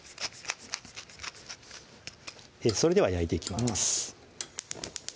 それでは焼いていきます